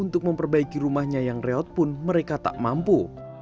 untuk memperbaiki rumahnya yang reot pun mereka tak mampu